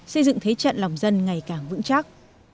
xây dựng thế trận lòng dân ngày càng vững chắc